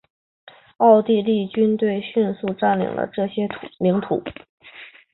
奥地利军队迅速占领了这些领土。